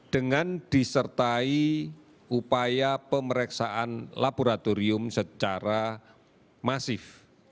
dengan disertai upaya pemeriksaan laboratorium secara masif